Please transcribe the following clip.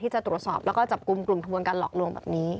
จะตรวจสอบแล้วก็จับกลุ่มกลุ่มขบวนการหลอกลวงแบบนี้